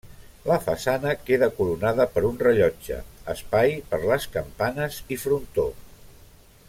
La façana queda coronada per un rellotge, espai per les campanes i frontó.